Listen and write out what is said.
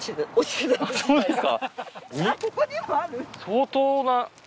相当な。